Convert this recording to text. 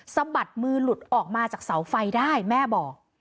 สะบัดมือหลุดออกมาจากเสาไฟได้แม่บอก